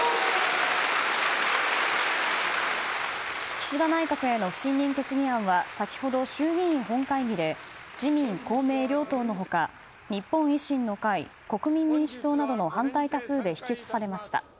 岸田内閣への不信任決議案は先ほど衆議院本会議で自民・公明両党の他日本維新の会、国民民主党などの反対多数で否決されました。